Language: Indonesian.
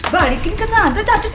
balikin ke tante tante